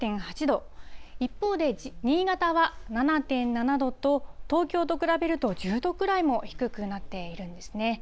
一方で新潟は７．７度と、東京と比べると、１０度くらいも低くなっているんですね。